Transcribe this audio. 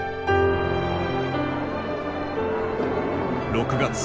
６月。